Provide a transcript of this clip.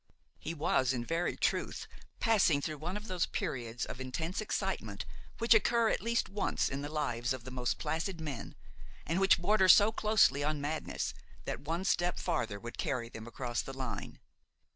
He was, in very truth, passing through one of those periods of intense excitement which occur at least once in the lives of the most placid men, and which border so closely on madness that one step farther would carry them across the line.